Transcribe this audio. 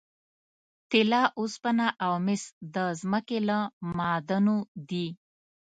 طلا، اوسپنه او مس د ځمکې له معادنو دي.